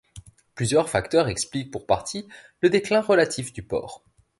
Plusieurs facteurs expliquent pour partie le déclin relatif du port.